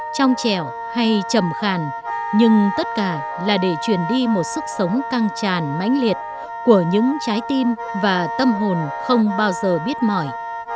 trong trèo hay trầm khàn nhưng tất cả là để truyền đi một sức sống căng tràn mãnh liệt của những trái tim và tâm hồn không bao giờ biết mỏi